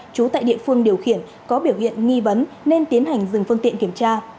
trú tại địa phương điều khiển có biểu hiện nghi vấn nên tiến hành dừng phương tiện kiểm tra